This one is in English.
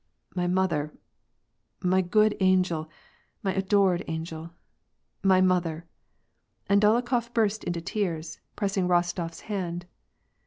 My mother, my good angel, my adored angel, my mother," and Dolokhof burst into tears, pressing Rostof's huid.